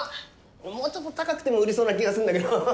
もうちょっと高くても売れそうな気がするんだけどハハハ。